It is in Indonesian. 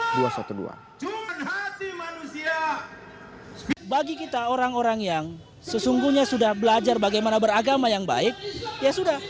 bagi kita orang orang yang sesungguhnya sudah belajar bagaimana beragama yang baik ya sudah